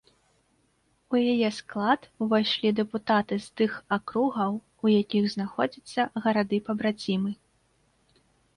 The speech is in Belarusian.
У яе склад увайшлі дэпутаты з тых акругаў, у якіх знаходзяцца гарады-пабрацімы.